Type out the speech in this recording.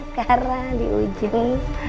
sekarang di ujung